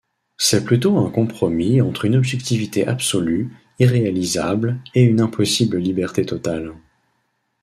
C'est plutôt un compromis entre une objectivité absolue irréalisable et une impossible liberté totale.